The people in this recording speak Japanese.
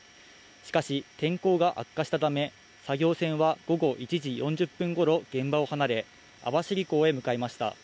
しかし、天候が悪化したため、作業船は午後１時４０分ごろ現場を離れ、網走港へ向かいました。